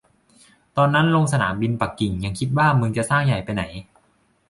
ตอนนั้นลงสนามบินปักกิ่งยังคิดว่า มึงจะสร้างใหญ่ไปไหน